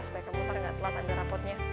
supaya kamu ntar nggak telat ambil rapotnya